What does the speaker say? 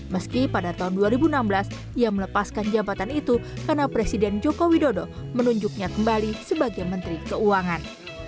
meski pada tahun dua ribu enam belas ia melepaskan jabatan itu karena presiden joko widodo menunjuknya kembali sebagai menteri keuangan